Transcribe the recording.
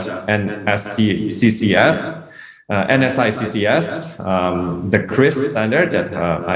standar criss yang telah saya jelaskan tadi